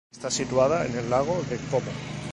Está situada en el Lago de Como.